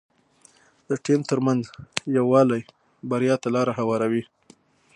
د ټيم ترمنځ یووالی بریا ته لاره هواروي.